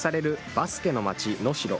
バスケの街・能代。